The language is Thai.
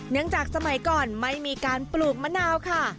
จากสมัยก่อนไม่มีการปลูกมะนาวค่ะ